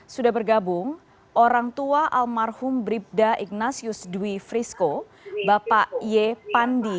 sudah bergabung orang tua almarhum bribda ignatius dwi frisco bapak ye pandi